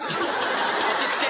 落ち着け。